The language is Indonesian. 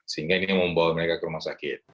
sehingga ini yang membawa mereka ke rumah sakit